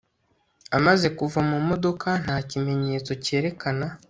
amaze kuva mu modoka, nta kimenyetso cyerekana